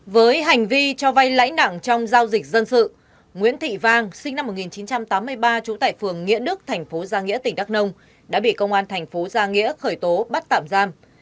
với hành vi cho vay lãnh đẳng trong giao dịch dân sự nguyễn thị vang sinh năm một nghìn chín trăm tám mươi ba trú tại phường nghĩa đức thành phố gia nghĩa tỉnh đắk nông đã bị công an thành phố gia nghĩa khởi tố bắt tạm giam